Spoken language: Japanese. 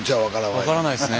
分からないっすね。